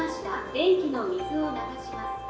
便器の水を流します」。